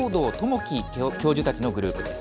紀教授たちのグループです。